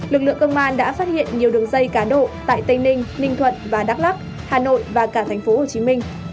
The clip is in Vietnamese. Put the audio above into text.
lực lượng công an đã phát hiện nhiều đường dây cá độ tại tây ninh ninh thuận và đắk lắc hà nội và cả thành phố hồ chí minh